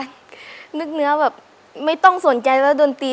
นึกเนื้อแบบไม่ต้องสนใจว่าดนตรี